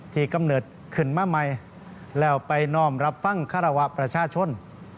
กำเนิดขึ้นมาใหม่แล้วไปนอมรับฟังคารวะประชาชน